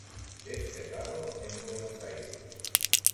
Desterrado en Buenos Aires.